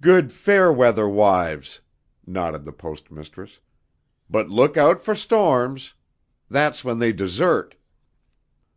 "Good fair weather wives," nodded the Post Mistress, "but look out for storms. That's when they desert."